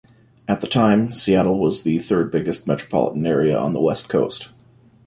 At the time, Seattle was the third-biggest metropolitan area on the West Coast.